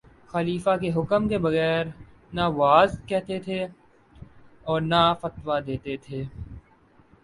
خلیفہ کے حکم کے بغیر نہ وعظ کہتے تھے اور نہ فتویٰ دیتے تھے